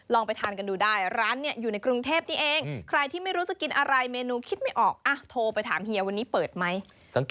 ลองไปทานกันดูได้ร้านอยู่ในกรุงเทพนี่เอง